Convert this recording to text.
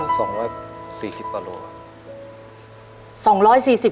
๒๔๐กว่าโลครับ